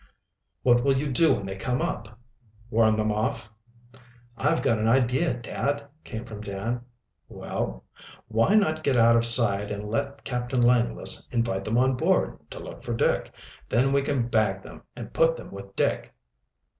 "What will you do when they come up?" "Warn them off." "I've got an idea, dad," came from Dan. "Well?" "Why not get out of sight and let Captain Langless invite them on board, to look for Dick. Then we can bag them and put them with Dick."